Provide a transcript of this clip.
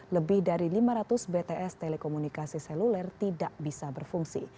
lebih dari lima ratus bts telekomunikasi seluler tidak bisa berfungsi